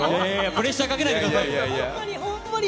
プレッシャーかけないでくださいよ。